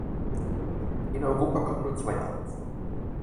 In Europa kommen nur zwei Arten vor.